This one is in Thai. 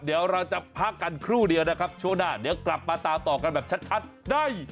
เดี๋ยวเราจะพักกันครู่เดียวนะครับช่วงหน้าเดี๋ยวกลับมาตามต่อกันแบบชัดได้